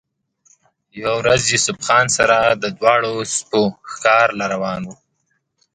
يوه ورځ يوسف خان سره د دواړو سپو ښکار له روان وۀ